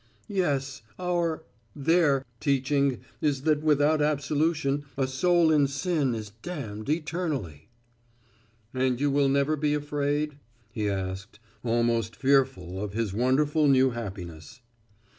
"Yes, our their teaching is that without absolution a soul in sin is damned eternally." "And you will never be afraid?" he asked, almost fearful of his wonderful new happiness.